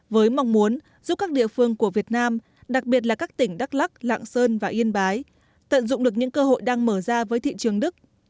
với mong muốn giúp các địa phương của việt nam đặc biệt là các tỉnh đắk lắc lạng sơn và yên bái tận dụng được những cơ hội đang mở ra với thị trường đức